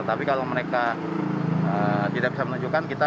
tapi kalau mereka tidak bisa menunjukkan kita